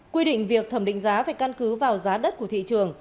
quy định việc thẩm định giá phải căn cứ vào giá đất của thị trường